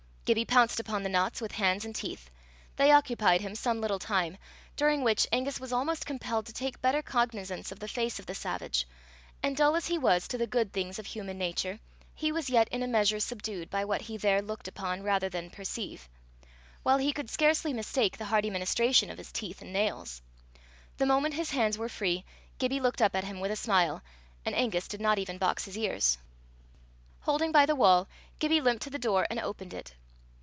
Gibbie pounced upon the knots with hands and teeth. They occupied him some little time, during which Angus was almost compelled to take better cognizance of the face of the savage; and dull as he was to the good things of human nature, he was yet in a measure subdued by what he there looked upon rather than perceived; while he could scarcely mistake the hearty ministration of his teeth and nails! The moment his hands were free, Gibbie looked up at him with a smile, and Angus did not even box his ears. Holding by the wall, Gibbie limped to the door and opened it.